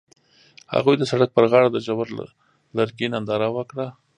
هغوی د سړک پر غاړه د ژور لرګی ننداره وکړه.